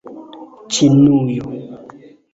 Ĉinujo